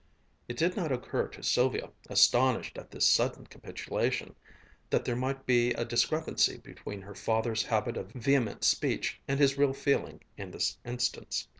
It did not occur to Sylvia, astonished at this sudden capitulation, that there might be a discrepancy between her father's habit of vehement speech and his real feeling in this instance.